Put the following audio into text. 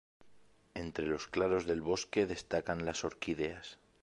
Entre los claros del bosque destacan las orquídeas.